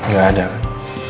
gak ada kan